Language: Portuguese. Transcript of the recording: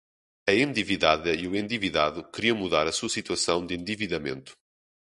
A endividada e o endividado queriam mudar sua situação de endividamento